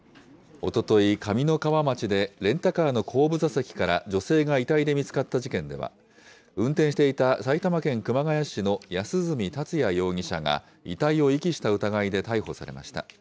おととい、上三川町でレンタカーの後部座席から女性が遺体で見つかった事件では、運転していた埼玉県熊谷市の安栖達也容疑者が、遺体を遺棄した疑いで逮捕されました。